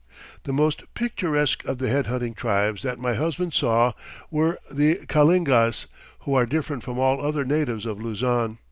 The most picturesque of the head hunting tribes that my husband saw were the Kalingas, who are different from all other natives of Luzon.